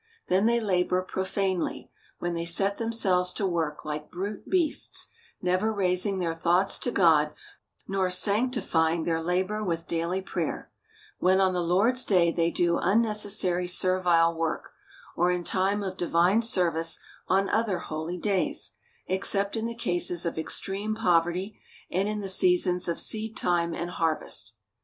Then they labor profanely, when they set themselves to work like brute beasts, never raising their thoughts to God, nor sanctifying their labor with daily prayer : when on the Lord's day they do unne cessary servile work, or in time of divine service on other holy days ; except in the cases of extreme pov erty, and in the seasons of seed time and harvest.)